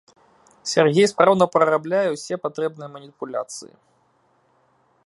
Сяргей спраўна прарабляе ўсе патрэбныя маніпуляцыі.